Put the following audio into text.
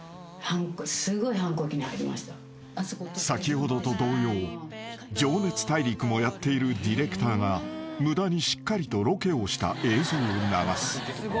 ［先ほどと同様『情熱大陸』もやっているディレクターが無駄にしっかりとロケをした映像を流す］